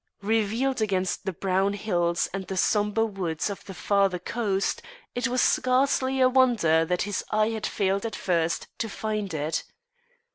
Revealed against the brown hills and the sombre woods of the farther coast, it was scarcely a wonder that his eye had failed at first to find it.